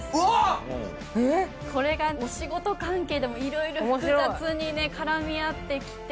仕事関係でもいろいろ複雑に絡み合ってきて。